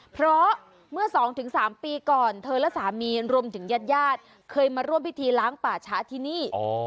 เพราะเมื่อ๒๓ปีก่อนเธอและสามีรวมถึงญาติญาติเคยมาร่วมพิธีล้างป่าช้าที่นี่